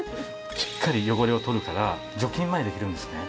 しっかり汚れを取るから除菌までできるんですね。